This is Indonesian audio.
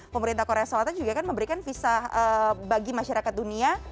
pemerintah korea selatan juga kan memberikan visa bagi masyarakat dunia